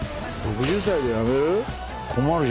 ６０歳で辞める？